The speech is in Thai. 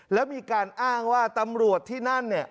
แล้วมีการอ้างว่าตำรวจที่นั่นเนี่ย